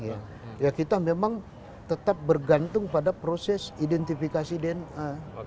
ya kita memang tetap bergantung pada proses identifikasi dna